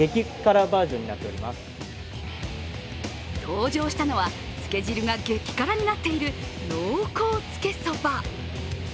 登場したのはつけ汁が激辛になっている濃厚つけそば。